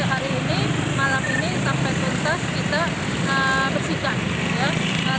hari ini malam ini sampai tuntas kita bersihkan